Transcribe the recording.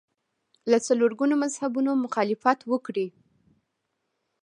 له څلور ګونو مذهبونو مخالفت وکړي